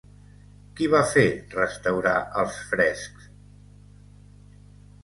Qui va fer restaurar els frescs?